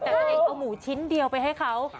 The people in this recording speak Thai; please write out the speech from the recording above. แต่ตัวเองเอาหมูชิ้นเดียวไปให้เขา